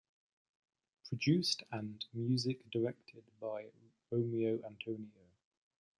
Produced and Music Directed by Romeo Antonio.